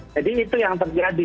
jadi itu yang terjadi